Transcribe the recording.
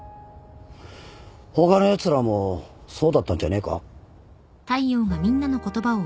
他のやつらもそうだったんじゃねえか？